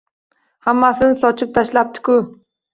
Hammasini sochib tashlabdi-ku!